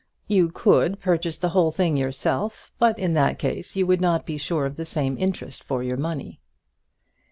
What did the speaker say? You could purchase the whole thing yourself, but in that case you would not be sure of the same interest for your money."